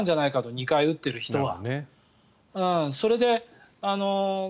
２回打っている人に関しては。